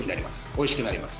おいしくなります」